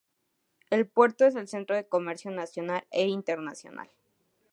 El puerto es centro de comercio nacional e internacional.